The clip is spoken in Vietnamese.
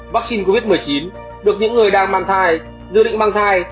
vắc xin covid một mươi chín được những người đang mang thai dự định mang thai